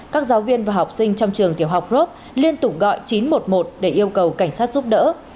các giáo viên và học sinh trong trường tiểu học rope liên tục gọi chín trăm một mươi một để yêu cầu cảnh sát giúp đỡ